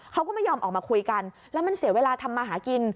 เขาก็ไม่ยอมออกมาคุยกันแล้วมันเสียเวลาทำมาหากิน